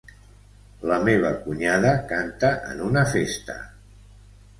La meva cunyada canta en una festa.